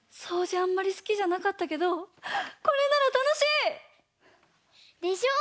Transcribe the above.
あんまりすきじゃなかったけどこれならたのしい！でしょう？